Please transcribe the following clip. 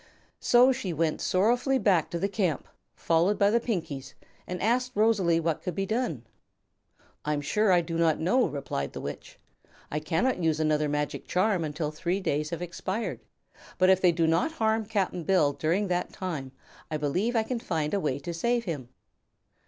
So she went sorrowfully back to the camp, followed by the Pinkies, and asked Rosalie what could be done. "I'm sure I do not know," replied the Witch. "I cannot use another magic charm until three days have expired, but if they do not harm Cap'n Bill during that time I believe I can then find a way to save him."